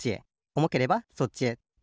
おもければそっちへ。